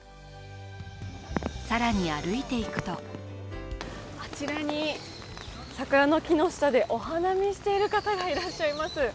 更に歩いていくとあちらに桜の木の下でお花見している方がいらっしゃいます。